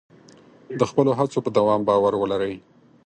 د خپلو هڅو په دوام باور ولرئ.